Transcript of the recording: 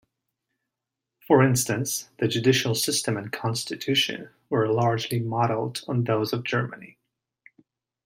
For instance, the judicial system and constitution were largely modeled on those of Germany.